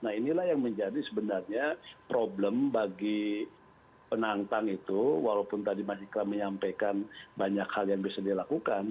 nah inilah yang menjadi sebenarnya problem bagi penantang itu walaupun tadi mas ikram menyampaikan banyak hal yang bisa dilakukan